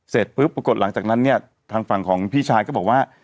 เสร็จปุ๊บปรากฏหลังจากนั้นเนี่ยทางฝั่งของพี่ชายก็บอกว่า